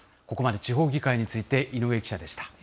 ここまで地方議会について、井上記者でした。